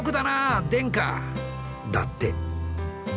だって。